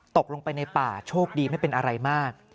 ตกลงไปในป่าโชคดีไม่เป็นอะไรมาก